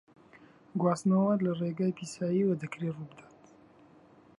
گواستنەوە لە ڕێگای پیساییەوە دەکرێت ڕووبدات.